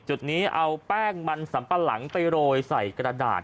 จุดนี้เอาแป้งมันสัมปะหลังไปโรยใส่กระดาษ